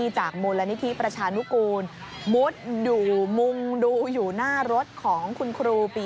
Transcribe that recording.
จากนั้นที่บอกอยู่ไหนลูก